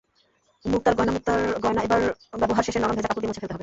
মুক্তার গয়নামুক্তার গয়না ব্যবহার শেষে নরম, ভেজা কাপড় দিয়ে মুছে ফেলতে হবে।